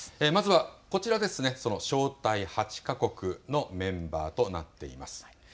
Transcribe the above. まずはこちら、その招待８か国のメンバーとなっています。